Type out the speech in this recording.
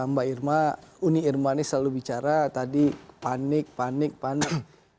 mbak irma uni irman ini selalu bicara tadi panik panik panik